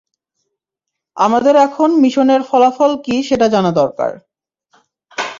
আমাদের এখন মিশনের ফলাফল কী সেটা জানা দরকার।